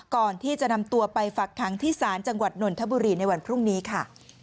ก่อนที่จะนำตัวไปฝักค้างที่ศาลจังหวัดนนทบุรีในวันพรุ่งนี้ค่ะ